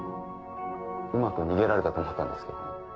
うまく逃げられたと思ったんですけどね。